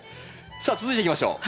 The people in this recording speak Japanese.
さあ続いていきましょう。